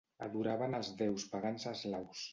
Adoraven els déus pagans eslaus.